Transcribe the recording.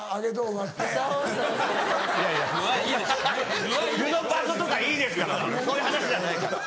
具の場所とかいいですからそういう話じゃないから。